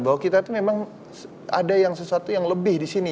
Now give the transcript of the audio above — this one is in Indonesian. bahwa kita itu memang ada yang sesuatu yang lebih di sini